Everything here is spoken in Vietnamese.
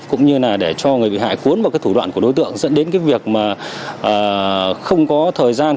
cũng như là để cho người bị hại cuốn vào cái thủ đoạn của đối tượng dẫn đến cái việc mà không có thời gian